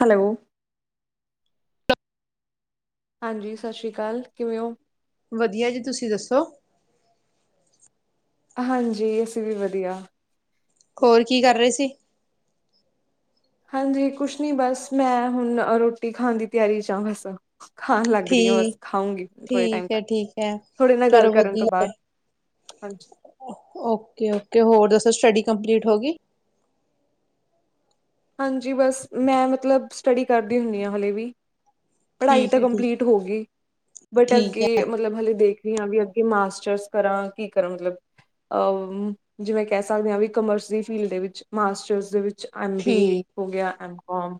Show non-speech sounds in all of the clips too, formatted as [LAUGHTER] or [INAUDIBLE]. Hello. ਹਾਂਜੀ ਸਤਿ ਸ਼੍ਰੀ ਅਕਾਲ ਕਿਵੇਂ ਹੋ? ਵਧੀਆ ਜੀ ਤੁਸੀਂ ਦੱਸੋ? ਹਂਜੀ ਅਸੀਂ ਵੀ ਵਦੀਆ ਹੋਰ ਕੀ ਕਰ ਰੇ ਸੀ। ਹਂਜੀ ਕੁਛ ਨੀ ਬਸ ਮੈਂ ਹੁਣ ਰੋਟੀ ਖਾਣ ਦੀ ਤਿਆਰੀ ਚੇ ਆ ਬਸ ਖਾਣ ਲੱਗ ਰਹੀ ਆ ਬਸ ਠੀਕ ਖਾਊਂਗੀ ਥੋੜੇ ਟਾਈਮ ਠੀਕ ਹੈ ਤਕ ਠੀਕ ਹੈ ਤੁਹਾਡੇ ਨਾਲ ਗੱਲ ਚਲੋ ਕਰਨ ਤੋਂ ਵਧੀਆ ਬਾਅਦ ਹਂਜੀ। ਓਕੇ ਓਕੇ ਹੋਰ ਦੱਸੋ ਸਟੱਡੀ ਕੰਮਪਲੀਟ ਹੋ ਗਈ। ਹਂਜੀ ਬਸ, ਮੈਂ ਵਧੀਆ ਸਟੱਡੀ ਕਰਦੀ ਹੁੰਦੀ, ਆ ਹਲੇੇ ਵੀ ਪੜ੍ਹਾਈ ਠੀਕ ਤਾਂ, ਹੈ ਠੀਕ ਕੰਮਪਲੀਟ ਹੋ ਗਈ, ਬਟ ਠੀਕ ਹੈ ਅੱਗੇ ਮਤਲਬ ਹਾਲੇ ਦੇਖ ਵੀ ਅੱਗੇ, ਮਾਸਟਰਸ ਕਰਾਂ ਕੀ ਕਰਾਂ, ਮਤਲਬ ਅ ਜਿਵੇਂ ਕਹਿ ਸਕਦੇ ਹਾਂ, ਵੀ ਕਮਰਸਰੀ ਦੀ ਫੀਲਡ ਦੇ, ਵਿੱਚ ਮਾਸਟਰਸ ਦੇ ਐਮ ਬੀ ਏ ਠੀਕ ਹੋ ਗਿਆ, ਐਮ ਕੋਮ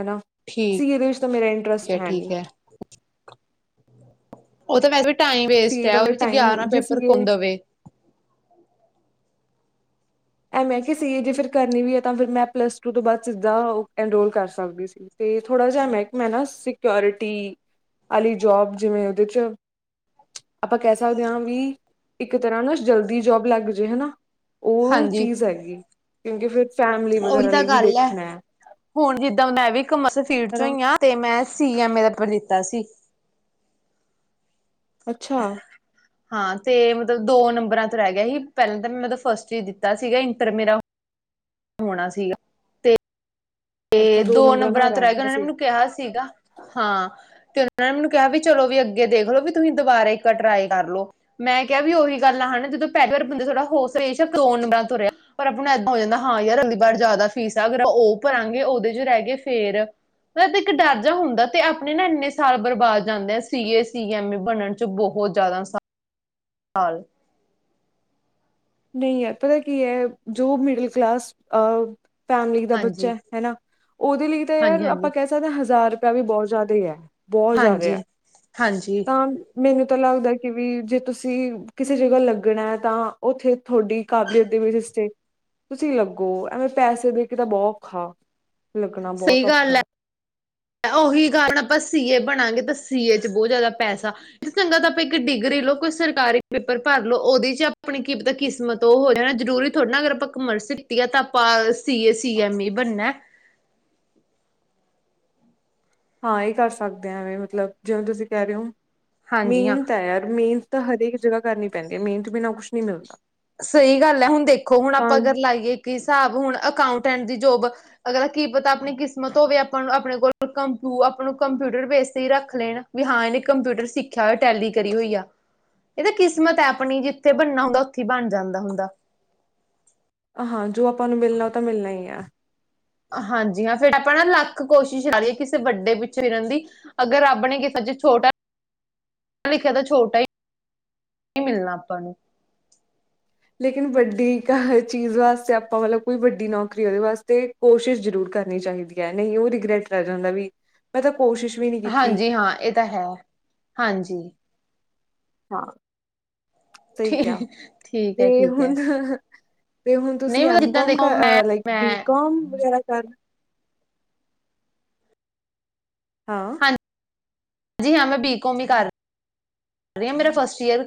ਹਨਾ, ਠੀਕ ਸੀ ਏ ਵਿੱਚ ਤਾਂ ਮੇਰਾ ਇੰਟਰਸਟ ਹੈ ਨਹੀਂ ਉਹ ਤਾਂ ਵੈਸੇ ਵੀ, ਟਾਈਮ ਵੇਸਟ ਸੀਏ ਦਾ ਆ, ਉਹਦੇ ਫਿਰ ਵਿੱਚ ਟਾਈਮ ਗਿਆਰਹ ਜੇ ਪੇਪਰ ਸੀਏ ਹੁੰਦੇ ਵੇ ਐਵੇਂ ਕਿ ਸੀ ਏ, ਜੇ ਫਿਰ ਕਰਨੀ ਵੀ ਹੈ ਤਾਂ, ਫਿਰ ਮੈਂ ਪਲੱਸ ਟੂ ਤੋਂ ਬਾਅਦ, ਸਿੱਦਾ ਐਨਰੋਲ ਕਰ ਸਕਦੀ ਸੀ। ਤੇ ਥੋੜ੍ਹਾ ਜਿਹਾ ਮਹਿਕਮਾ ਨਾ, ਸਿਓਰਿਟੀ ਵਾਲੀ ਜੋਬ ਜਿਵੇਂ ਉਹਦੇ ' ਆਪਾਂ ਕਹਿ ਸਕਦੇ ਹਾਂ ਵੀ, ਇੱਕ ਤਰ੍ਹਾਂ ਨਾ ਜਲਦੀ ਜੋਬ ਲੱਗ ਜੇ ਹਨਾ ਉਹ ਹਾਂਜੀ ਚੀਜ਼ ਹੈਗੀ, ਕਿਉਂਕਿ ਫਿਰ ਫੈਮ ਉਹੀ ਤਾਂ ਗੱਲ ਹੈ, ਹੁਣ ਜਿੱਦਾਂ ਮੈਂ ਵੀ ਕਮ ਫੀਡ ਚ, ਹਨਾ ਹੋਈ ਹ ਤੇ ਮੈਂ, ਸੀ ਐਮੇ ਦਾ, ਪੇਪਰ ਦਿੱਤਾ ਸੀ। ਅੱਛਾ। ਹਾਂ ਤੇ ਮਤਲਬ, ਦੋ ਨੰਬਰਾਂ ਤੋਂ ਰਹਿ ਗਿਆ ਸੀ। ਪਹਿਲਾਂ ਤਾਂ ਮੈਂ ਮਤਲਬ ਫਸਟ ਚ ਦਿੱਤਾ ਸੀਗਾ। ਇੰਟਰ ਮੇਰਾ ਹੋਣਾ ਸੀਗਾ। ਤੇ ਤੇ, ਦੋ ਨੰਬਰਾਂ ਤੋਂ ਰਹਿ ਗਿਆ ਉਹਨਾਂ ਨੇ ਮੈ ਕਿਹਾ ਸੀਗਾ ਹਾਂ। ਤੇ ਉਹਨਾਂ ਨੇ ਮੈਨੂੰ ਕਿਹਾ, ਵੀ ਚਲੋ ਵੀ ਅੱਗੇ ਦੇਖਲੋ ਵੀ, ਤੁਸੀਂ ਦੁਬਾਰਾ ਇੱਕ ਟਰਾਈ ਕਰ ਲੋ ਮੈਂ ਕਿਹਾ ਵੀ, ਉਹੀ ਗੱਲ ਆ ਹਨਾ ਜਦੋਂ ਪਹਿਲੀ ਵਾਰ, ਬੰਦਾ ਥੋੜ੍ਹਾ ਹ ਸੇਸ਼ ਕ ਰੋਨ ਨੰਬਰਾਂਰਿਹਾ ਪਰ ਆਪਾਂ ਨੂੰ, ਇਏਦਾਂ ਹੋ ਜਾਂਦਾ ਹਾਂ, ਯਾਰ ਅਗਲੀ ਵਾਰ ਜ਼ਿਆਦਾ ਫੀਸ ਆ, ਅਗ ਉਹ ਭਰਾਂ ਗੇ, ਉਹਦੇ ਚ ਰਹਿ ਗਏ ਫੇਰ, ਮ ਤੇ ਇੱਕ ਡਰ ਜ ਹੁੰਦਾ, ਤੇ ਆਪਣੇ ਨਾ ਇੰਨੇ ਸਾਲ ਬਰਬਾਦ ਜਾਂਦੇ ਆ, ਸੀ ਏ, ਸੀ ਐਮ ਏ, ਬਣਨ ਚ ਬਹੁਤ ਜ਼ਿਆਦਾ ਹਾਲ ਨਹੀਂ ਯਾਰ, ਪਤਾ ਕੀ ਹੈ, ਜੋ ਮਿਡਲ ਕਲਾਸ ਅ ਫੈਮਲੀ ਦਾ ਹਾਂਜੀ ਬੱਚਾ, ਹਨਾ ਉਹਦੇ ਲਈ ਤਾਂ ਹਾਂਜੀ ਯਾਰ ਆਪਾਂ ਹਾਂਜੀ ਕਹਿ ਹਜ਼ਾਰ ਰੁਪਇਆ, ਵੀ ਬਹੁਤ ਜ਼ਿਆਦਾ- ਹੈ ਬਹੁਤ ਜ਼ਿਆਦਾ ਹੈ ਹਾਂਜੀ ਹਾਂਜੀ ਤਾਂ ਮੈਨੂੰ ਤਾਂ ਲੱਗਦਾ ਕਿ ਵੀ, ਜੇ ਤੁਸੀਂ ਕਿਸੇ ਜਗ੍ਹਾ ਲੱਗਣਾ, ਹੈ ਤਾਂ ਉੱਥੇ ਤੁਹਾਡੀ ਕਾਬਲੀਅਤ, ਦੇ ਵਿੱਚ ਤੁਸੀਂ ਲੱਗੋ ਐਵੇਂ ਪੈਸੇ ਦੇ ਕੇ, ਤਾਂ ਬਹੁਤ ਔਖਾ ਲੱਗਣਾ ਬਹੁਤ, ਸਹੀ ਔਖਾ ਗੱਲ ਹੈ ਉਹੀ ਕਾਰਨ ਆਪਾਂ ਸੀ, ਏ, ਬਣਾਂਗੇ ਤਾਂ ਸੀ, ਏ, ਚ ਬਹੁਤ ਜ਼ਿਆਦਾ ਪੈਸਾ ਚੰਗਾ ਤਾਂ ਆਪਾਂ ਇੱਕ ਡਿਗਰੀ ਲਓ, ਕੋਈ ਸਰਕਾਰੀ ਪੇਪਰ ਭਰ ਲਓ, ਉਹਦੇ ਚ ਆਪਾਂ ਆਪਣੀ ਕੀ ਪਤਾ, ਕਿਸਮਤ ਉਹ ਹੋ ਜਾਣਾ ਜਰੂਰੀ ਥੋੜ੍ਹਾ ਨਾ, ਅਗਰ ਆਪਾਂ ਕਮਰਸ ਕੀਤੀ ਆ ਤਾਂ, ਆਪਾਂ ਸੀ, ਏ, ਸੀ ਐਮ, ਈ, ਬਣਨਾ ਹਾਂ ਇਹ ਕਰ ਸਕਦੇ ਐਵੇਂ, ਮਤਲਬ ਜਿਵੇਂ ਤੁਸੀਂ ਕਹਿ ਰਹੇ ਹੋ, ਹਾਂਜੀ ਹਾਂ ਮੇਹਨਤ ਤਾਂ ਯਾਰ ਮੀਂਨ ਤਾਂ ਹਰੇਕ, ਜਗ੍ਹਾ ਕਰਨੀ ਪੈਂਦੀ ਹੈ, ਮਿਹਨਤ ਬਿਨਾਂ ਕੁਛ ਨਹੀਂੀ ਮਿਲਦਾ ਸਹੀ ਗੱਲ ਹੈ, ਹੁਣ ਦੇਖੋ ਹੁਣ ਤਾਂ ਆਪਾਂ ਕਰਰ ਲਾਈਏ ਇੱਕ ਹਿਸਾਬ, ਹੁਣ ਅਕਾਊਂਟੈਂਟ ਦੀ ਜੋਬ। ਅਗਲਾ ਕੀ ਪਤਾ, ਆਪਣੀ ਕਿਸਮਤ ਹੋਵੇ, ਆਪਾਂਨੂੰ ਆਪਣੇ ਕੋਲ ਨੂੰ ਕੰਪਿਊਟਰ ਬੇਸ ਹੀ ਰੱਖ ਲੈਣ। ਵੀ ਹਾਂ ਇਹਨੇ, ਕੰਪਿਊਟਰ ਸਿੱਖਿਆ ਹੋਇਆ ਟੈਲੀ ਕਰੀ ਹੋਈ ਆ। ਇਹ ਤਾਂ, ਕਿਸਮਤ ਹੈ ਆਪਣੀ, ਜਿੱਥੇ ਬਣਨਾ ਹੁੰਦਾ ਉੱਥੇ ਹੀ ਬਣ, ਜਾਂਦਾ ਹੁੰਦਾ। ਹਾਂ, ਜੋ ਆਪਾਂ ਨੂੰ ਮਿਲਣਾ, ਉਹ ਤਾਂ ਮਿਲਣਾ ਹੀ ਆ। ਹਾਂਜੀ, ਹਾਂ ਫੇਰ ਆਪਾਂ ਨਾ ਲੱਖ ਕੋਸ਼ਿਸ਼ ਕਰਾ ਲਈਏ, ਕਿਸੇ ਵੱਡੇ ਪਿੱਛੋਂ ਫਿਰਨ ਦੀ ਅਗਰ ਰੱਬ ਨੇ, ਕਿਸੇ ਚ ਛੋਟਾ ਲਿਖਿਆ ਤਾਂ, ਛੋਟਾ ਹੀਂ ਓਹੀ, ਮਿਲਣਾ ਆਪਾਂ ਨੂੰ। ਲੇਕਿਨ ਵੱਡੀ ਕ ਚੀਜ਼ ਵਾਸਤੇ, ਆਪਾਂ ਮਤਲਬ ਕੋਈ ਵੱਡੀ ਨੌਕਰੀ, ਉਹਦੇ ਵਾਸਤੇ। ਕੋਸ਼ਿਸ਼, ਜ਼ਰੂਰ ਕਰਨੀ ਚਾਹੀਦੀ ਹੈ, ਨਹੀਂ ਉਹ ਰਿਗਰੈਟ ਰਹਿ ਜਾਂਦਾ ਵੀ ਮੈਂ ਤਾਂ, ਕੋਸ਼ਿਸ਼ ਵੀ ਨਹੀਂ ਕੀਤੀ ਹਾਂਜੀ ਹਾਂ, ਇਹ ਤਾਂ ਹੈ ਹਾਂਜੀ। ਹਾਂ, ਸਹੀ ਕ ਠੀ ਠੀਕ ਹੈ ਤੇ ਠੀਕ ਹੁਣ ਹੈ ਤੇ ਹੁਣ ਨਹੀਂ ਤੁਸੀਂ, ਮਤਲਬ ਐਮ ਜਿੱਦਾਂ ਕੋਮ, ਦੇਖੋ ਮੈਂ ਲਾਈਕ ਬੀ ਮੈਂ ਕੋਮ ਵਗੈਰਾ ਕਰ ਹਾਂ। ਜੀ ਹਾਂ, ਮੈਂ ਬੀ-ਕੌਮ ਹੀ ਕਰ-ਕਰ ਰਹੀ ਹਾਂ, ਮੇਰਾ ਫਸਟ ਈਅਰ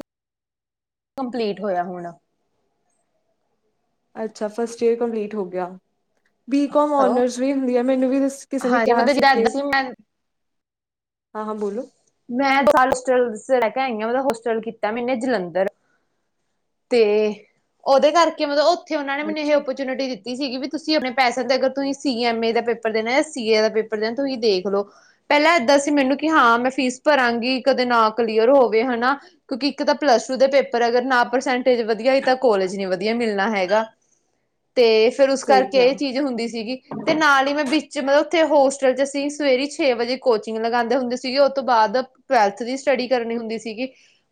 ਕੰਪਲੀਟ, ਹੋਇਆ ਹੁਣ। ਅੱਛਾ ਫਸਟ ਈਅਰ ਕੰਪਲੀਟ ਹੋ ਗਿਆ ਬੀਕਮ ਹੈਲੋ ਓਨਰਸ ਵੀ ਹੁੰਦੀ ਆ, ਮੈਨੂੰ ਵੀ ਕਿਸੇ ਨੇ ਹਾਂਜੀ ਕਿਹਾ ਮਤਲਬ ਸੀ ਜਿੱਦਾਂ ਕਿ ਏਦਾਂ ਮੈਂ ਹਾਂ ਹਾਂ ਬੋਲੋ ਮੈਂ ਤਾਂ ਹੋਸਟਲ ਲੈ ਕੇ ਆਈ ਆਂ, ਔਦਾ ਹੋਸਟਲ ਕੀਤਾ ਮੈਨੇ ਜਲੰਧਰ ਤੇ ਉਹਦੇ ਕਰਕੇ, ਮਤਲਬ ਉੱਥੇ ਉਹਨਾਂ ਨੇ ਮੈਨੂੰ ਇਹ ਅੱਛਾ ਓਪਰਚੁਨਿਟੀ ਦਿੱਤੀ ਸੀਗੀ ਵੀ ਤੁਸੀਂ ਆਪਣੇ ਪੈਸੇ ਦੇ ਕਰ, ਤੁਸੀਂ ਸੀ ਐਮ ਏ ਦਾ ਪੇਪਰ ਦੇਣਾ, ਜਾਂ ਸੀ ਏ ਦਾ ਪੇਪਰ ਦੇਣਾ, ਤੁਸੀਂ ਦੇਖ ਲੋੋ ਪਹਿਲਾਂ ਏਦਾਂ ਸੀ ਮੈਨੂੰ ਕਿ ਹਾਂ ਮੈਂ ਫੀਸ ਭਰਾਂਗੀ, ਕਦੇ ਨਾ ਕਲੀਅਰ ਹੋਵੇ ਹੈਨਾ ਕਿਉਂਕਿ ਇੱਕ ਤਾਂ ਪਲੱਸ ਟੂ ਦੇ ਪੇਪਰ, ਅਗਰ ਨਾ ਪਰਸੈਂਟੇਜ ਵਧੀਆ, ਨੀ ਤਾਂ ਕੋਲਜ ਨੀ ਵਧੀਆ ਮਿਲਣਾ ਹੈਗਾ! ਤੇ ਫੇਰ ਉਸ ਸਹੀ ਕਰਕੇ ਕਿਹਾ ਇਹ ਚੀਜ਼ ਹੁੰਦੀ ਸੀਗੀ। ਅਤੇ ਨਾਲ ਹੀ ਮੈਂ ਬਿਚ ਚ ਮਤਲਬ ਉੱਥੇ ਹੋਸਟਲ 'ਚ ਸੀਂ, ਸਵੇਰੀ ਛੇ ਵਜੇ ਕੋਚਿੰਗ ਲਗਾਉਂਦੇ ਹੁੰਦੇ ਸੀਗੇ, ਉਹ ਤੋਂ ਬਾਅਦ ਟਵੈਥ ਦੀ ਸਟੱਡੀ ਕਰਨੀ ਹੁੰਦੀ ਸੀਗੀ,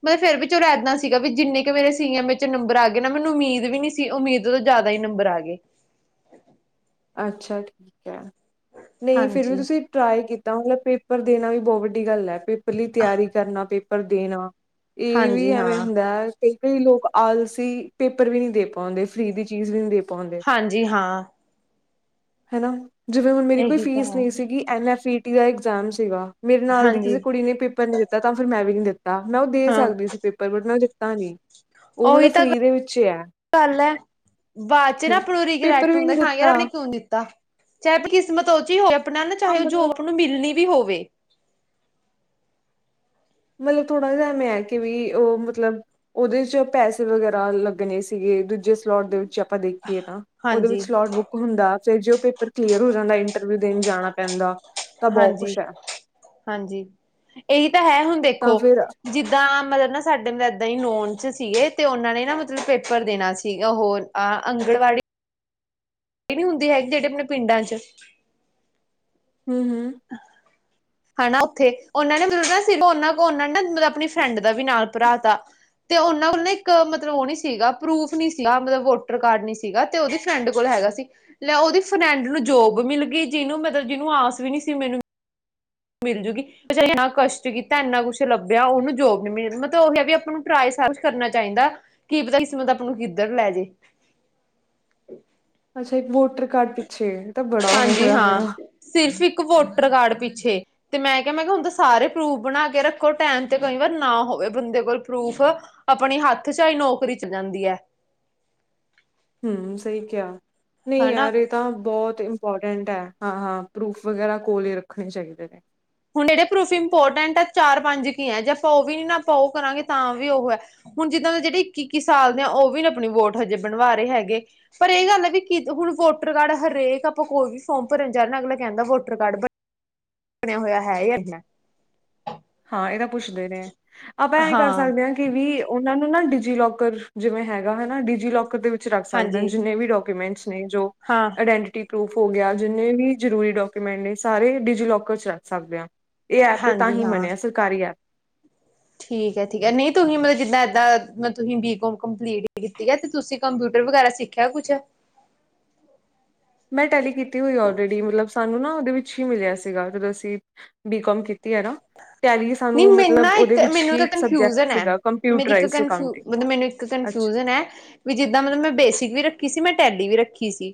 ਮਤਲਬ ਫੇਰ ਵੀ ਇੱਦ ਸੀਗਾ ਵੀ ਜਿੰਨੇ ਮੇਰੇ ਸੀ ਐਮ ਨੰਬਰ ਆ ਗਏ ਨਾ, ਮੈਨੂੰ ਉਮੀਦ ਵੀ ਨੀ ਸੀ, ਉਮੀਦ ਤੋਂ ਜ਼ਿਆਦਾ ਹੀ ਨੰਬਰ ਆ ਗਏ। ਅੱਛਾ ਠੀਕ ਹੈ, ਨਹੀਂ ਫਿਰ ਵੀ ਹਾਂਜੀ ਤੁਸੀਂ ਟ੍ਰਈ ਕੀਤਾ, ਮਤਲਬ ਪੇਪਰ ਦੇਣਾ ਵੀ ਬਹੁਤ ਵੱਡੀ ਗੱਲ ਹੈ, ਪੇਪਰ ਲਈ ਤਿਆਰੀ ਕਰਨਾ ਪੇਪਰ ਦੇਣਾ! ਇਹ ਵੀ ਹਾਂਜੀ ਹਾਂ ਐਵੇਂ ਹੁੰਦਾ। ਕਈ ਕਈ ਲੋਕ ਆਲਸੀ ਪੇਪਰ ਵੀ ਨਹੀਂ ਦੇ ਪਾਉਂਦੇ, ਫ੍ਰੀ ਦੀ ਚੀਜ਼ ਵੀ ਨਹੀਂ ਦੇ ਪਾਉਂਦੇ। ਹਾਂਜੀ ਹਾਂ। ਹੈ ਨਾ, ਜਿਵੇਂ ਹੁਣ ਮੇਰੀ ਕੋਈ ਇਹੀ ਤਾਂ ਫੀਸ ਹੈ ਨਹੀਂ ਸੀਗੀ, ਐੱਨ ਐਫ ਈ ਟੀ ਦਾ ਇਗਜ਼ਾਮ ਸੀਗਾ। ਮੇਰੇ ਨਾਲ ਦੀ ਹਾਂਜੀ ਕਿਸੇ ਕੁੜੀ ਨੇ ਪੇਪਰ ਨੀ ਦਿੱਤਾ, ਤਾਂ ਫਿਰ ਮੈਂ ਵੀ ਨਹੀਂ ਦਿੱਤਾ, ਮੈਂ ਉਹ ਦੇ ਹਾਂ ਸਕਦੀ ਸੀ ਪੇਪਰ ਪਰ ਮੈਂ ਦਿੱਤਾ ਨਹੀਂ, ਉਹ ਉਹੀ ਮਤਲਬ ਤਾਂ ਫ੍ਰੀ ਦੇ ਵਿੱਚ ਹੈ। ਗੱਲ ਹੈ ਬਾਅਦ ਚ ਨਾ ਪੂਰ ਔ ਪੇਪਰ ਰਿਗ਼ੈਰਟ ਵੀ ਹੁੰਦਾ, ਨਹੀਂ ਹਾਂ ਯਾਰ ਆਪਾਂ ਦਿੱਤਾ ਨੇ ਕਿਉਂ ਦਿੱਤਾ ਚਾਹੇ ਕਿਸਮਤ ਉਹ ਚ ਹੀ ਹੋਵੇ ਆਪਣਾ ਨਾ, ਹਾਂ ਚਾਹੇ ਉਹ ਜੋ ਮਤਲਬ ਆਪ ਨੂੰ ਮਿਲਣੀ ਵੀ ਹੋਵੇ। ਮਤਲਬ ਥੋੜ੍ਹਾ ਜਿਹਾ, ਮੈਂ ਕੇ ਵੀ ਉਹ ਮਤਲਬ ਉਹਦੇ ਚ ਪੈਸੇ ਵਗੈਰਾ ਲੱਗਣੇ ਸੀਗੇ, ਦੂਜੇ ਲੋਟ ਦੇ ਵਿੱਚ ਆਪਾਂ ਦੇਖੀਏ ਤਾਂ, ਉਹਦੇ ਹਾਂਜੀ, ਵਿੱਚਲੋਟ ਬੁੱਕ ਹੁੰਦਾ, ਤੇ ਜੇ ਉਹ ਪੇਪਰ ਕਲੀਅਰ ਹੋ ਜਾਂਦਾ, ਇੰਟਰਵਿਊ ਦੇਣ ਜਾਣਾ ਪੈਂਦਾ। ਤਾਂ ਬਹੁਤ ਹਾਂਜੀ ਕੁਛ ਹੈ ਹਾਂਜੀ, ਇਹੀ ਤਾਂ ਹੈ ਹੁਣ ਦੇਖੋ। ਤਾਂ ਫਿਰ ਜਿੱਦਾਂ ਮਤਲਬ ਨਾ ਸਾਡੇ ਮਤਲਬ ਇੱਦਾਂ ਹੀ ਨੋਨ 'ਚ ਸੀਗੇ, ਤੇ ਉਹਨਾਂ ਨੇ ਨਾ ਮਤਲਬ ਪੇਪਰ ਦੇਣਾ ਸੀਗਾ ਹੋਰ ਆ ਅੰਗਣਵਾੜੀ [INAUDIBLE] ਇਹ ਨੀ ਹੁੰਦੀ ਹੈਗੀ, ਜਿਹੜੇ ਆਪਣੇ ਪਿੰਡਾਂ ਚ ਹੂ ਹੂ ਹੈਨਾ ਉੱਥੇ, ਉਹਨਾਂ ਨੇ ਮਤਲਬ ਸੀ ਉਹਨਾਂ ਕੋ ਉਹਨਾਂ ਨੇ ਮਤਲਬ ਆਪਣੀ ਫਰੈਂਡ ਦਾ ਵੀ ਨਾਲ ਭਰਾ ਤਾ ਤੇ ਉਹਨਾਂ ਕੋਲ ਨਾ ਇੱਕ ਮਤਲਬ ਉਹ ਨੀ ਸੀਗਾ, ਪਰੂਫ ਨੀ ਸੀਗਾ, ਮਤਲਬ ਵੋਟਰ ਕਾਰਡ ਨੀ ਸੀਗਾ। ਤੇ ਉਹਦੀ ਫਰੈਂਡ ਕੋਲ ਹੈਗਾ ਸੀ, ਲੈ ਉਹਦੀ ਫਰੈਂਡ ਨੂੰ ਜੋਬ ਮਿਲ ਗਈ, ਜਿਹਨੂੰ ਮਤਲਬ ਜਿਹਨੂੰ ਆਸ ਵੀ ਨੀ ਕਿ ਮੈਨੂੰ ਮਿਲ ਜੂਗੀ ਇੰਨਾ ਕਸ਼ਟ ਕੀਤਾ, ਇੰਨਾ ਕੁਛ ਲੱਭਿਆ ਉਹਨੂੰ ਜੋਬ ਨੀ ਮਿਲੀ, ਮਤਲਬ ਉਹ ਹੈ ਵੀ ਆਪਾਂ ਨੂੰ ਟਰਾਈ, ਸਰਚ ਕੁਛ ਕਰਨਾ ਚਾਹੀਦਾ। ਕੀ ਪਤਾ ਕਿਸਮਤ ਅਪਾਂ ਨੂੰ ਕਿੱਧਰ ਲੈ ਜੇ। ਅੱਛਾ, ਇੱਕ ਵੋਟਰ ਕਾਰਡ ਪਿੱਛੇ, ਏ ਤਾਂ ਬੜਾ ਉਹ ਹਾਂਜੀ ਹੋਇਆ ਫਿਰ ਹਾਂ ਸਿਰਫ ਇੱਕ ਵੋਟਰ ਕਾਰਡ ਪਿੱਛੇ ਤੇ ਮੈਂ ਕਿਹਾ, ਮੈਂ ਕਿਹਾ ਹੁਣ ਤਾਂ ਸਾਰੇ ਪ੍ਰੂਫ ਬਣਾ ਕੇ ਰੱਖੋ, ਟੈਮ ਤੇ ਕਈ ਵਾਰ ਨਾ ਹੋਵੇ ਬੰਦੇ ਕੋਲ ਪ੍ਰੂਫ ਆਪਣੇ ਹੱਥ ਚ ਏਹੀ ਨੌਕਰੀ ਚ ਜਾਂਦੀ ਹੈ। ਹਮ ਸਹੀ ਕਿਆ, ਨਹੀਂ ਹਨਾ ਯਾਰ ਇਹ ਤਾਂ ਬਹੁਤ ਇੰਪੋਰਟੈਂਟ ਹੈ, ਹਾਂ ਹਾਂ ਪ੍ਰੂਫ ਵਗੈਰਾ ਕੋਲ ਹੀ ਰੱਖਣੇ ਚਾਹੀਦੇ ਨੇ। ਹੁਣ ਜਿਹੜੇ ਪ੍ਰੂਫ ਇੰਪੋਰਟੈਂਟ ਆ ਚਾਰ ਪੰਜ ਕੀ ਹੈ, ਜੇ ਆਪਾਂ ਉਹ ਵੀ ਨੀ ਨਾ ਆਪਾਂ ਉਹ ਕਰਾਂਗੇ ਤਾਂ ਵੀ ਉਹ ਹੈ ਹੁਣ ਜਿੱਦਾਂ ਦੇ ਜਿਹੜੇ ਇੱਕੀ ਇੱਕੀ ਸਾਲ ਦੇ ਆ, ਉਹ ਵੀ ਆਪਣੀ ਵੋਟ ਹਜੇ ਬਣਵਾ ਰਹੇ ਹੈਗੇ। ਪਰ ਇਹ ਗੱਲ ਹੈ ਵੀ ਹੁਣ ਵੋਟਰ ਕਾਰਡ, ਹਰੇਕ ਆਪਾਂ ਕੋਈ ਵੀ ਫੋਰਮ ਭਰਨ ਜਾ ਰਹੇ, ਅਗਲਾ ਕਹਿੰਦਾ ਵੋਟਰ ਕਾਰਡ ਬਣਿਆ ਹੋਇਆ ਹੈ ਜਾਂ ਨਹੀਂ ਹਾਂ, ਏ ਤਾਂ ਪੁੱਛਦੇ ਨੇ ਆਪਾਂ ਐ ਕਰ ਹਾਂ ਸਕਦੇ ਆਂ। ਕਿ ਵੀ ਓਨਾਂ ਨੂੰ ਨਾ ਡਿਜੀ ਲੌਕਰ, ਜਿਵੇਂ ਹੈਗਾ ਵਾ ਨਾ ਡਿਜੀਲੋਕਰ ਦੇ ਵਿੱਚ ਵਿੱਚ ਰੱਖ ਸਾਕਦੇ ਹਾਂਜੀ ਜੀਨੇ ਵੀ ਡਾਕੂਮੈਂਟਸ ਨੇ ਜੋ ਹਾਂ। ਆਈਡੈਂਟਟੀ ਪ੍ਰੂਫ ਹੋ ਗੇਆ ਜਿੰਨੇ ਵੀ ਜਰੂਰੀ ਡੋਕੇਮੈਂਟ ਨੇ ਸਾਰੇ ਡਿਜੀਲੋਕਰ ਚ, ਰੱਖ ਸਾਕਦੇ ਆਂ। ਐ ਐਪ ਤਾਂ ਹਾਂਜੀ ਹੀ ਹਾਂ ਬਣੇਆ ਸਰਕਾਰੀ ਐਪ। ਠੀਕ ਐ, ਠੀਕ ਐ ਨਈ ਤੁਹੀਂ ਮਤਲਬ ਜਿੱਦਾਂ ਏਦਾਂ ਮੈਂ ਤੁਹੀ ਬੀ ਕੋਮ ਕੰਪਲੀਟ ਕੀਤੀ ਐ ਤੇ ਤੁਸੀਂ ਕੰਪਿਊਟਰ ਵਗੈਰਾ ਸਿੱਖ ਕੇਆ ਕੁੱਛ ਮੈਂ ਟੈਲੀ ਕੀਤੀ ਹੋਈ ਆ ਔਲਰੇਡੀ ਮਤਲਬ ਸਾਨੂੰ ਨਾ ਓਦੇ ਵਿੱਚ ਹੀ ਮਿਲੇਆ ਸੀਗਾ ਜਦੋਂ ਅਸੀ ਬੀ ਕੌਮ ਕੀਤੀ ਏ ਨਾ ਟੈਲੀ ਨਹੀਂ ਸਾਨੂੰ ਮੈਨੂੰ ਮਤਲਬ ਨਾ ਓਦੇ ਇੱਕ ਵਿੱਚ ਮੈਨੂੰ ਹੀ, ਇੱਕ ਸਬਜੈਕਟ ਕਨਫਿਊਜਨ ਹੈ। ਸੀਗਾ ਮੇਰੀ ਇੱਕ ਕੰਪਿਊਟਰਾਇਜਟ ਕਨਫਿਊ ਅਕਾਊਂਟਿੰਗ। ਮਤਲਬ ਮੈਨੂੰ ਇੱਕ ਅੱਛਾ। ਕਨਫਿਊਜਨ ਐ, ਵੀ ਜਿੱਦਾਂ ਮਤਲਬ ਮੈਂ ਬੇਸਿਕ ਵੀ ਰੱਖੀ ਸੀ, ਮੈਂ ਟੈਲੀ ਵੀ ਰੱਖੀ ਸੀ।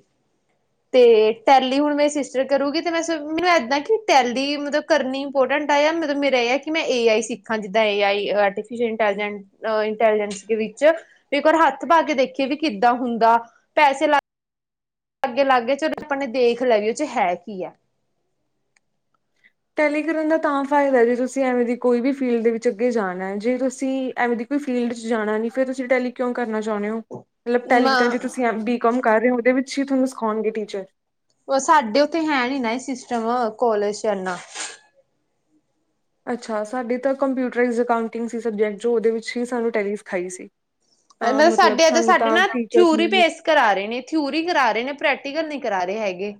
ਤੇ ਟੈਲੀ ਹੁਣ ਮੇਰੀ ਸਿਸਟਰ ਕਰੂਗੀ ਤੇ ਮੈਂ ਸ, ਮੈਨੂੰ ਏਦਾਂ ਕਿ ਟੈਲੀ ਮਤਲਬ ਕਰਨੀ ਇੰਪੋਰਟੰਟ [UNINTELLIGIBLE] ਮਤਲਬ ਮੇਰਾ ਐ ਕਿ ਮੈਂ ਏ ਆਈ ਸਿੱਖਾਂ ਜਿੱਦਾਂ A I artificial intelligent uh intelligence ਦੇ ਵਿੱਚ ਵੀ ਇਕ ਵਾਰ ਹਾੱਥ ਪਾ ਕੇ ਦੇਖੀਏ ਵੀ ਕਿੱਦਾਂ ਹੁੰਦਾ, ਪੈਸੇ ਲਾ ਅਗੇ ਲਾਗ ਗਏ ਚਲੋ ਆਪਾਨੇ ਦੇਖ ਲੈਯਾ ਵੀ ਓਚ ਹੈ ਕੀ ਐ। ਟੈਲੀ ਕਰਨ ਦਾ ਤਾਂ ਫਾਇਦਾ ਜੇ ਤੁਸੀਂ ਐਵੇਂ ਦੀ ਕੋਈ ਵੀ ਫੀਲਡ ਦੇ ਵਿੱਚ ਅੱਗੇ ਜਾਣੈ, ਜੇ ਤੁਸੀਂ ਐਵੇਂ ਦੀ ਫੀਲਡ ਚ ਜਾਣਾ ਨੀ ਫੇਰ ਤੁਸੀਂ ਟੈਲੀ ਕੇਓਂ ਕਰਨਾ ਚਾਓਨੇ ਓ? ਮਤਲਬ ਟੈਲੀੇ ਤਾ ਜਾ ਤੁਸੀਂ ਮ ਬੀ ਕੋਮ ਕਰ ਰਏ ਓਂ, ਓਦੇ ਵਿੱਚ ਹੀ ਤੁਹਾਨੂੰ ਸਿਖਾਉਣਗੇ ਟੀਚਰ। ਸਾਡੇ ਓਥੇ ਹੈ ਨੀ ਨਾ ਐ ਸਿਸਟਮ ਕੋਲੇਜ ਚ ਐਨਾ ਅੱਛਾ, ਸਾਡੇ ਤਾਂ ਕੰਪਿਊਟਈਜ਼ ਅਕਾਊਂਟਿੰਗ ਸੀ ਸਬਜੈਕਟ ਜੋ ਓਦੇ ਵਿੱਚ ਹੀ ਸਾਨੂੰ ਟੈਲੀ ਸਿਖਾਈ ਸੀ। ਤਾਂ ਐਨਾ ਮਤਲਬ ਸਾਡੇ ਏਦਰ ਸਾਨੂੰ ਸਾਡੇ ਤਾਂ ਨਾ, ਟੀਚਰਸ ਥਿਊਰੀ ਨੇ ਭੇਸ ਕਰਾ ਰੇ ਨੇ ਥਿਊਰੀ ਕਰਾ ਰੇ ਨੇ, ਪ੍ਰੈਕਟੀਕਲ ਨੀ ਕਰਾ ਰੇ ਹੈਗੇ।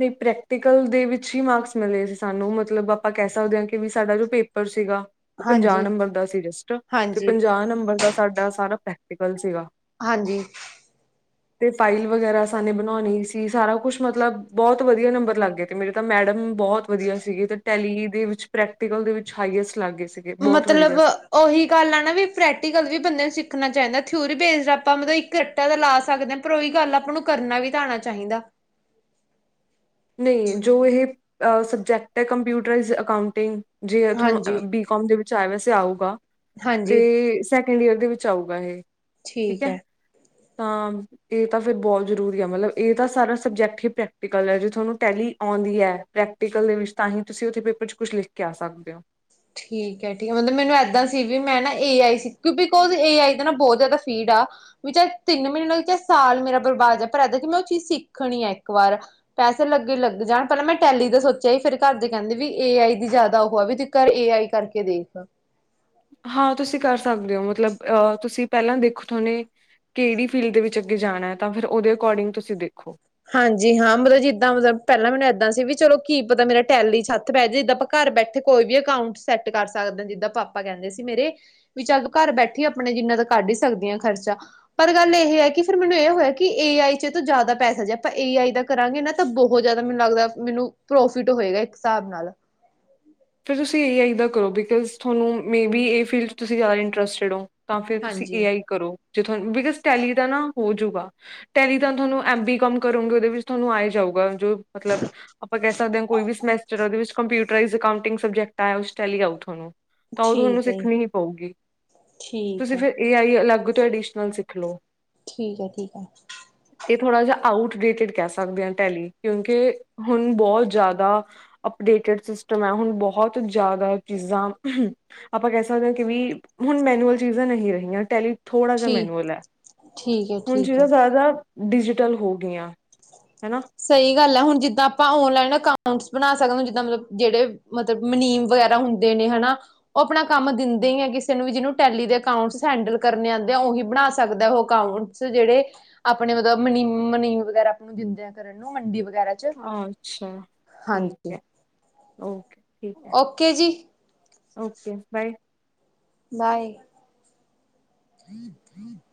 ਨਈ ਪ੍ਰੈਕਟੀਕਲ ਦੇ ਵਿੱਚ ਹੀ ਮਾਰਕਸ ਮਿਲੇ ਸੀ ਸਾਨੂੰ, ਮਤਲਬ ਆਪਾਂ ਕੈ ਸਕਦੇ ਆਂ ਕੀ ਵੀ ਸਾਡਾ ਜੋ ਪੇਪਰ ਸੀਗਾ। ਓ ਪੰਜਾਹ ਹਾਂਜੀ ਨੰਬਰ ਦਾ ਸੀ ਜਸਟ, ਤੇ ਹਾਂਜੀ ਪੰਜਾਹ ਨੰਬਰ ਦਾ ਸਾਡਾ ਸਾਰਾ ਪ੍ਰੈਕਟੀਕਲ ਸੀਗਾ। ਹਾਂਜੀ। ਤੇ ਫਾਈਲ ਵਗੈਰਾ ਅਸਾ ਨੇ ਬਨਾਓਨੀ ਸੀ ਸਾਰਾ ਕੁਛ ਮਤਲਬ ਬੋਹਤ ਵਦੀਆ ਨੰਬਰ ਲਾੱਗ ਗਏ ਤੇ ਮੇਰੇ ਤਾਂ ਮੈੜਮ, ਬੋਹਤ ਵਦੀਆ ਸੀਗੇ ਤੇ ਟੈਲੀ ਦੇ ਵਿੱਚ ਪ੍ਰੈਕਟੀਕਲ ਦੇ ਵਿੱਚ ਹਾਈਐਸਟ ਲਾੱਗ ਗਏ ਸੀ। ਸੀਗੇ ਬਹੁਤ ਵਧੀਆ ਮਤਲਬ ਓਹੀ ਗੱਲ ਆ ਨਾ ਵੀ ਪ੍ਰੈਕਟੀਕਲ ਵੀ ਬੰਦੇ ਨੂੰ ਸਿੱਖਨਾ ਚਾਂਈਦਾ, ਥਿਊਰੀ ਬੇਸਡ ਆਪਾਂ ਮਤਲਬ ਇੱਕ ਟਾ ਤਾਂ ਲਾ ਸਾਕਦੇ ਆ ਪਰ ਓਈ ਗਾੱਲ ਆਪਾਂ ਨੂੰ ਕਰਨਾ ਵੀ ਤਾਂ ਆਣਾ ਚਾਂਹੀਦਾ। ਨਈ ਜੋ ਏਹ, ਅ ਸਬਜੈਕਟ ਹੈ ਕੰਪਿਊਟਰਾਇਜ਼ ਅਕਾਉਂਟਿੰਗ ਜੇ ਹਾਂਜੀ ਤੁਹਾਨੂੰ ਬੀ ਕਮ ਦੇ ਵਿੱਚ ਐ ਵੈਸੇ ਆਊਗਾ, ਹਾਂਜੀ ਤੇ ਸੈਕਿੰਡ ਈਅਰ ਦੇ ਵਿੱਚ ਆਊਗਾ ਏਹੇ ਠੀਕ ਐ। ਤਾਂ, ਏ ਤਾਂ ਫੇਰ ਬੋਤ ਜਰੂਰੀ ਐ ਮਤਲਬ ਏ ਤਾਂ ਸਾਰਾ ਸਬਜੈਕਟ ਹੀ ਪ੍ਰੈਕਟੀਕਲ ਐ ਜੋ ਥੋਨੂੰ ਟੈਲੀ ਆਉਂਦੀ ਐ, ਪ੍ਰੈਕਟੀਕਲ ਦੇ ਵਿੱਚ ਤਾਂ ਹੀ ਤੁਸੀਂ ਓਥੇ ਪੇਪਰ ਚ ਕੁਛ ਲਿਖ ਕੇ ਆ ਸਕਦੇ ਓ। ਠੀਕ ਐ, ਠੀਕ ਮਤਲਬ ਮੈਨੂੰ ੲੈਦਾ ਸੀ ਵੀ ਮੈਂ ਨਾ ਏ ਆਈ ਸੀ ਕੇਓ ਬਿਕੋਜ਼ ਏ ਆਈ ਦਾ ਨਾ ਬੋਤ ਜਾਦਾ ਫੀੜ ਆ ਵੀ ਚਾਏ ਤਿੰਨ ਮ੍ਹਿਨੇ ਲੱਗ ਜੇ ਸਾਲ ਮੇਰਾ ਬਰਬਾਦ ਜਾਏ, ਪਰ ਆਜ ਵਿੱਚ ਮੈਂ ਓ ਚੀਜ ਸਿੱਖਣੀ ਆ ਇੱਕ ਵਾਰ। ਪੈਸੇ ਲੱਗੇ ਲੱਗ ਜਾਣ ਪੈਲਾਂ ਮੈਂ ਟੈਲੀ ਦਾ ਸੋਚੇਆ ਹੀ, ਫੇਰ ਘਾਰ ਦੇ ਕੈਂਦੇ ਵੀ ਏ ਆਈ ਦੀ ਜਾਦਾ ਓਹ ਆ ਵੀ ਪਰ ਏ ਆਈ ਕਰਕੇ ਦੇਖ। ਹਾਂ, ਤੁਸੀਂ ਕਰ ਸਾਕਦੇ ਓ ਮਤਲਬ ਅ ਤੁਸੀਂ ਪੈਲਾਂ ਦੇਖੋ ਥੋਨੇ ਕੇੜੀ ਫੀਲਡ ਦੇ ਵਿੱਚ ਅੱਗੇ ਜਾਣਾ ਐ, ਤਾਂ ਫੇਰ ਓਦੇ ਅਕੋਡਿੰਗ ਤੁਸੀਂ ਦੇਖੋ। ਹਾਂਜੀ ਹਾਂ, ਮਤਲਬ ਜਿੱਦਾਂ ਮਤਲਬ ਪੈਲਾਂ ਮੈਨੂੰ ਐਦਾਂ ਸੀ ਵੀ ਚਲੋ ਕੀ ਪਤਾ ਮੇਰਾ ਟੈਲੀ ਚ ਹਾਥ ਪੈ ਜੇ ਘਾਰ ਬੈਠੇ ਕੋਈ ਵੀ ਅਕਾਊਂਟ ਸੈਟ ਕਰ ਸਕਦੇ ਆਂ, ਜਿੱਦਾਂ ਪਾਪਾ ਕੈਂਦੇ ਸੀ ਮੇਰੇ ਵੀ ਚੱਲ ਘਾਰ ਬੈਠੀ, ਆਪਣੇ ਜਿੰਨਾ ਤਾਂ ਕਾਡ ਈ ਸਕਦੀ ਆਂ ਖਰਚਾ। ਪਰ ਗਾੱਲ ਏ ਹੈ ਕਿ ਫੇਰ ਮੈਨੂੰ ਏ ਹੋਏਆ ਕਿ, ਏ ਆਈ ਚੋ ਜਾਦਾ ਪੈਸਾ ਜਿ ਆਪਾਂ ਏ ਆਈ ਦਾ ਕਰਾਂਗੇ ਨਾ ਤਾਂ ਬਹੋ ਜਾਦਾ ਮੈਨੂੰ ਲੱਗਦੈ ਮੈਨੂੰ ਪ੍ਰੋਫਿਟ ਹੋਏਗਾ ਇੱਕ ਹਿਸਾਬ ਨਾਲ ਫੇਰ ਤੁਸੀਂ ਏ ਆਈ ਦਾਂ ਕਰੋ ਬਿਕਜ਼ ਥੋਨੂੰ ਮੇ ਬੀ ਏ ਫੀਲਡ ਚ ਤੁਸੀਂ ਜਾਦਾ ਇੰਟਰਸਟੜ ਓ। ਤਾਂ ਫੇਰ ਤੁਸੀ ਏ ਹਾਂਜੀ ਆਈ ਕਰੋ ਜੇ ਤੁਆਨੂੰ ਬਿਕਜ਼ ਟੈਲੀ ਦਾ ਨਾ ਹੋਜੂਗਾ, ਟੈਲੀ ਤਾਂ ਤੁਹਾਨੂੰ ਐਮ ਬੀ ਕਾਮ ਕਰੋਗੇ ਉਹਦੇ ਵਿੱਚ ਤੁਹਾਨੂੰ ਆਹੀ ਜਾਊਗਾ। ਜੋ ਮਤਲਬ, ਆਪਾਂ ਕਹਿ ਸਕਦੇ ਹਾਂ ਕੋਈ ਵੀ ਸਮੈਟਰਦੇ ੳਹਦੇ ਵਿਚ ਕੰਮਪਿਊਟਰਾਇਜਟ ਅਕਾਂਊਂਟ ਤਿਨ ਸਬਜੈਕਟ ਆਇਆ, ਉਸ ਟੈਲੀ ਆਊ ਤੁਹਾਨੂੰ ਤਾਂ ਉਹ ਤੁਹਾਨੂੰ ਠੀਕ ਹੈ ਜੀ ਸਿੱਖਣੀ ਹੀ ਪਊਗੀ। ਠੀਕ ਤੁਸੀਂ ਹੈ ਫੇਰ ਏ ਆਈ ਅਲੱਗ ਤੋਂ ਐਡੀਸ਼ਨਲ ਸਿੱਖ ਲਓ। ਠੀਕ ਹੈ, ਠੀਕ ਹੈ। ਇਹ ਥੋੜਾ ਜੇਹਾ ਆਊਟ ਡੇਟਿਡ ਕਹਿ ਸਕਦੇ ਹਾਂ ਟੈਲੀ, ਕਿਉਂਕੇ ਹੁਣ ਬਹੁਤ ਜਿਆਦਾ ਅਪਡੇਟਡ ਸਿਸਟਮ ਹੈ, ਹੁਣ। ਬਹੁਤ ਜ਼ਿਆਦਾ ਚੀਜ਼ਾਂ ਆਪਾਂ ਕਹਿ ਸਕਦੇ ਹੈ ਕਿ ਵੀ ਹੁਣ ਮੈਨੂਅਲ ਚੀਜ਼ਾਂ ਨਹੀਂ ਰਹੀਆਂ। ਟੈਲੀ ਥੋੜਾ ਜਿਹਾ ਠੀਕ ਮੈਨੂਅਲ ੲੈ, ਠੀਕ ਹੈ ਹੁਣ ਠੀਕ ਜਿਵੇਂ ਹੈ ਜ਼ਿਆਦਾ ਡਿਜੀਟਲ ਹੋ ਗਈਆਂ, ਹਨਾ ਸਹੀ ਗੱਲ ੲੈ, ਹੁਣ ਜਿੱਦਾਂ ਆਪਾਂ ਓਨਲਾਈਨ ਅਕਾਊਂਟਸ ਬਣਾ ਸਕਦੇ, ਜਿੱਦਾਂ ਮਤਲਬ ਜਿਹੜੇ ਮਤਲਬ ਮੁਨੀਮ ਵਗੈਰਾ ਹੁੰਦੇ ਨੇ, ਹਨਾ। ਉਹ ਆਪਣਾ ਕੰਮ ਦਿੰਦੇ ਹੀ ਆ ਕਿਸੇ ਨੂੰ ਵੀ, ਜਿਹਨੂੰ ਟੈਲੀ ਦੇ ਅਕਾਊਂਟਸ ਹੈਂਡਲ ਕਰਨੇ ਆਉਂਦੇ ਆ। ਉਹੀ ਬਣਾ ਸਕਦਾ ਉਹ ਅਕਾਊਂਟ। ਚ ਜਿਹੜੇ ਆਪਣੇ ਮਤਲਬ ਮਨੀ, ਮੁਨੀਮ ਵਗੈਰਾ ਆਪ ਨੂੰ ਦਿੰਦੇਆਂ ਕਰਨ ਨੂੰ। ਮੰਡੀ ਵਗੈਰਾ ਚ ਅੱਛਾ ਠੀਕ ਹਾਂਜੀ ਹੈ, ਓਕੇ ਠੀਕ ਹੈ। ਓਕੇ ਜੀ ਓਕੇ ਬਾਏ। ਬਾਏ। [UNINTELLIGIBLE]